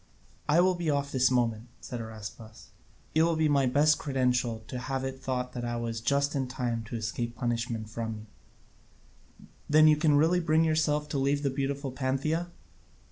"I will be off this moment," said Araspas; "it will be my best credential to have it thought I was just in time to escape punishment from you." "Then you can really bring yourself to leave the beautiful Pantheia?"